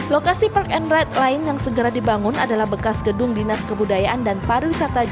lokasi park and ride lain yang segera dibangun adalah bekas gedung dinas kebudayaan dan pariwisata jawa